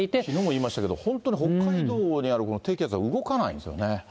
きのうも言いましたけど、本当に北海道にある低気圧が動かないですよね。